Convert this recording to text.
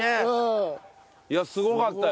いやすごかったよ。